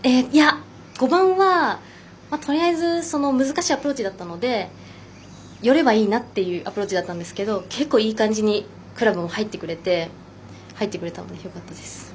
５番はとりあえず難しいアプローチだったので寄ればいいなっていうアプローチだったんですけど結構、いい感じにクラブも入ってくれたのでよかったです。